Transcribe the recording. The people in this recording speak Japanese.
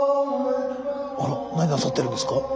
あら何なさってるんですか？